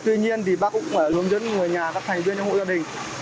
tuy nhiên thì bác cũng hướng dẫn người nhà các thành viên trong hội gia đình